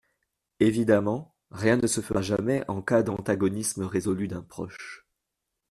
Évidemment, rien ne se fera jamais en cas d’antagonisme résolu d’un proche.